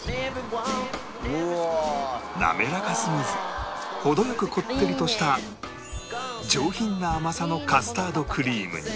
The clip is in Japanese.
滑らかすぎず程良くこってりとした上品な甘さのカスタードクリームに